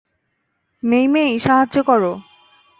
মেই-মেই, সাহায্য করো।